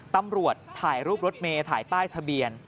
ตำรวจถ่ายรูปรถเมย์ถ่ายป้ายทะเบียน